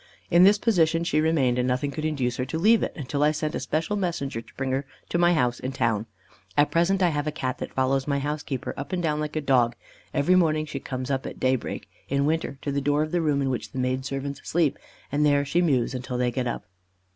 In this position she remained, and nothing could induce her to leave it, until I sent a special messenger to bring her to my house in town. At present I have a Cat that follows my housekeeper up and down like a Dog; every morning she comes up at daybreak in winter to the door of the room in which the maid servants sleep, and there she mews until they get up."